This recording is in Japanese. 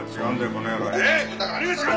この野郎！